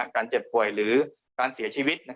เจ็บป่วยหรือการเสียชีวิต